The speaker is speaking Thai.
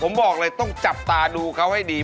ผมบอกเลยต้องจับตาดูเขาให้ดี